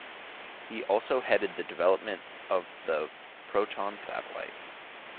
He also headed the development of the Proton satellite.